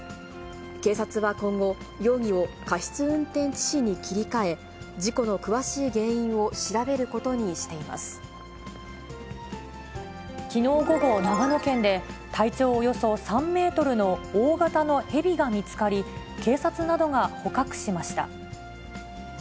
警察は今後、容疑を過失運転致死に切り替え、事故の詳しい原因を調べることにきのう午後、長野県で、体長およそ３メートルの大型のヘビが見つかり、警察などが捕獲しました。